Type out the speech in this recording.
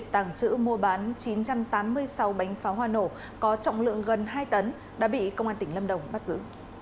tàng trữ mua bán chín trăm tám mươi sáu bánh pháo hoa nổ có trọng lượng gần hai tấn đã bị công an tỉnh lâm đồng bắt giữ